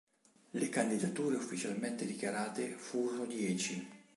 Le candidature ufficialmente dichiarate furono dieci.